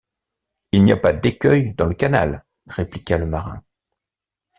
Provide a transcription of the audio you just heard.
Il n’y a pas d’écueil dans le canal! répliqua le marin.